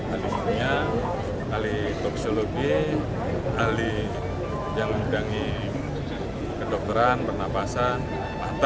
ahli imia ahli toksiologi ahli yang mengundangi kedokteran pernapasan mata